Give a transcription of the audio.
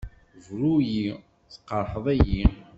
Bru-iyi! Tqerḥed-iyi!